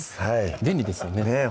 便利ですよねねぇ